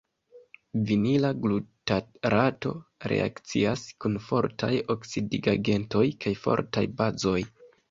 Vinila glutarato reakcias kun fortaj oksidigagentoj kaj fortaj bazoj.